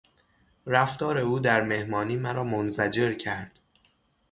رفتار او در مهمانی مرا منزجر کرد.